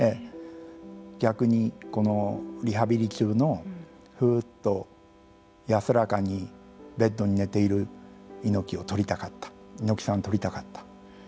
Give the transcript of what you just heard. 逆にこのリハビリ中のふうっと安らかにベッドに寝ている猪木を撮りたかった猪木さんを撮りたかった。